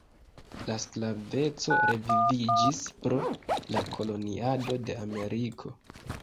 La sklaveco reviviĝis pro la koloniado de Ameriko.